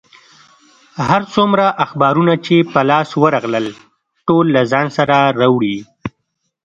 هر څومره اخبارونه چې په لاس ورغلل، ټول له ځان سره راوړي.